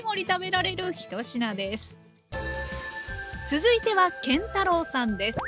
続いては建太郎さんです！